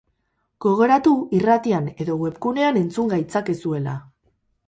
Gogoratu irratian edo webgunean entzun gaitzakezuela.